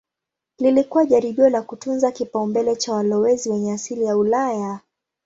Lilikuwa jaribio la kutunza kipaumbele cha walowezi wenye asili ya Ulaya.